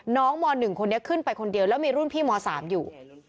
น้องมอหนึ่งคนนี้ขึ้นไปคนเดียวแล้วมีรุ่นพี่มอสามอยู่